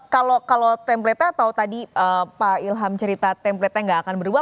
kalau template nya atau tadi pak ilham cerita template nya nggak akan berubah